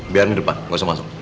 biarin depan gak usah masuk